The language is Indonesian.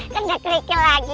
kena kerikil lagi